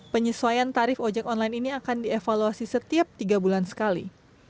penyesuaian tarif ojek online ini akan dievaluasi setiap tiga bulan sekali